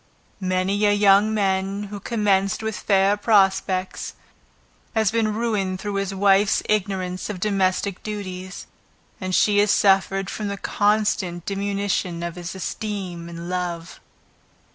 Many a young man who commenced with fair prospects, has been ruined through his wife's ignorance of domestic duties, and she has suffered from the consequent diminution of his esteem and love.